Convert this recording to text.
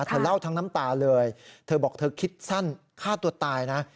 เธอเล่าทั้งน้ำตาเลยเธอบอกเธอคิดสั้นฆ่าตัวตายนะ